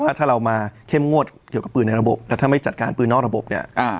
ถ้าเรามาเข้มงวดเกี่ยวกับปืนในระบบแล้วถ้าไม่จัดการปืนนอกระบบเนี่ย